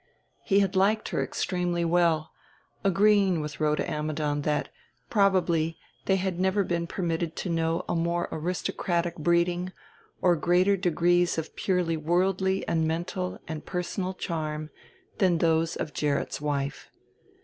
He had liked her extremely well, agreeing with Rhoda Ammidon that, probably, they had never been permitted to know a more aristocratic breeding or greater degrees of purely worldly and mental and personal charm than those of Gerrit's wife.